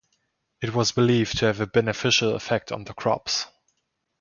It was believed to have a beneficial effect on the crops.